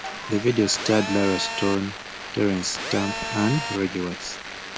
The video starred Lara Stone, Terence Stamp and Reggie Watts.